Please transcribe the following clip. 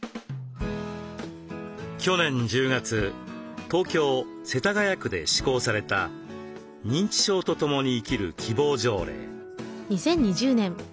去年１０月東京・世田谷区で施行された「認知症とともに生きる希望条例」。